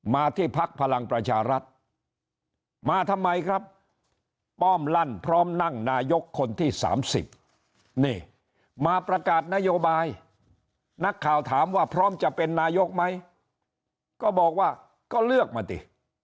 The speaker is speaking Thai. มาที่พักพลังประชารัฐมาทำไมครับป้อมลั่นพร้อมนั่งนายกคนที่๓๐นี่มาประกาศนโยบายนักข่าวถามว่าพร้อมจะเป็นนายกไหมก็บอกว่าก็เลือกมาสิ